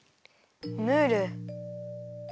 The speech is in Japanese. ムール。